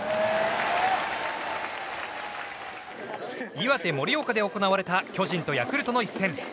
岩手・盛岡で行われた巨人とヤクルトの一戦。